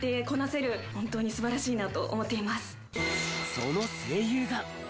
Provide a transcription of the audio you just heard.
その声優が。